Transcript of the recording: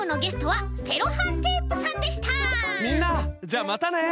じゃあまたね！